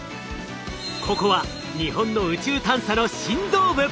ここは日本の宇宙探査の心臓部！